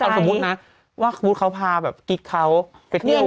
เอาสมมุตินะว่าเขาพากิชเขาไปเที่ยวบัด